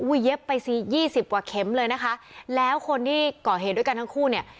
เย็บไปสี่ยี่สิบกว่าเข็มเลยนะคะแล้วคนที่ก่อเหตุด้วยกันทั้งคู่เนี่ย